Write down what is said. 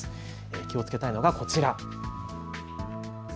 気をつけたいのが、こちら。